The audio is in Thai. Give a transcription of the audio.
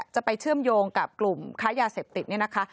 จะไปเชื่อมโยงกับกลุ่มค้ายาเสพติดเนี่ยนะคะ